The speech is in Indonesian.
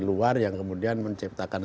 luar yang kemudian menciptakan